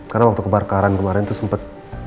karena waktu kebakaran kemarin tuh sempet